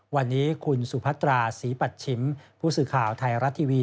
วันนี้คุณสุพัตราศรีปัชชิมผู้สื่อข่าวไทยรัฐทีวี